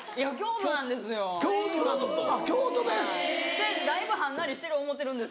せやしだいぶはんなりしてる思うてるんですけど。